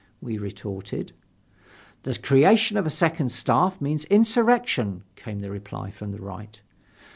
we retorted. "The creation of a second staff means insurrection," came the reply from the Right.